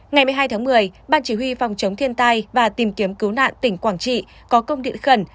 ngày một mươi hai tháng một mươi ban chỉ huy phòng chống thiên tai và tìm kiếm cứu nạn tỉnh quảng trị có công điện khẩn